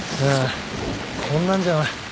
ああこんなんじゃ